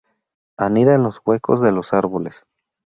Anida en los huecos de los árboles.